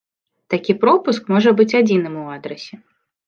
Такі пропуск можа быць адзіным у адрасе.